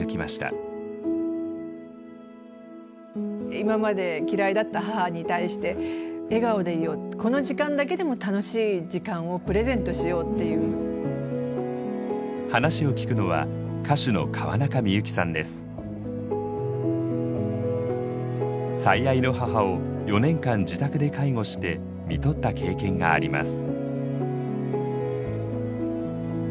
今まで嫌いだった母に対して話を聞くのは最愛の母を４年間自宅で介護してみとった経験があります。